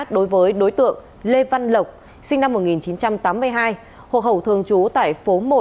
đối với đối tượng lê văn lộc sinh năm một nghìn chín trăm tám mươi hai hộ khẩu thường trú tại phố một